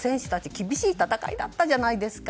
厳しい戦いだったじゃないですか。